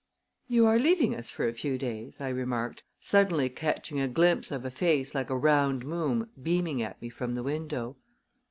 "You are leaving us for a few days?" I remarked, suddenly catching a glimpse of a face like a round moon beaming at me from the window.